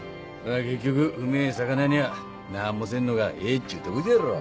結局うめぇ魚にゃ何もせんのがええっちゅうとこじゃろ。